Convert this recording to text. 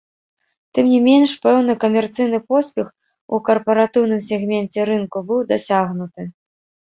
Тым не менш, пэўны камерцыйны поспех у карпаратыўным сегменце рынку быў дасягнуты.